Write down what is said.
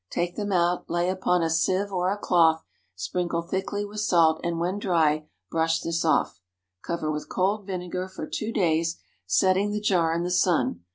Take them out, lay upon a sieve or a cloth, sprinkle thickly with salt, and, when dry, brush this off. Cover with cold vinegar for two days, setting the jar in the sun.